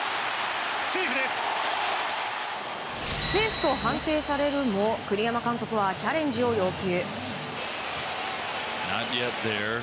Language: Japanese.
セーフと判定されるも栗山監督はチャレンジを要求。